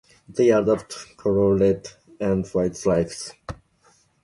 Their adopted colours are red and white stripes.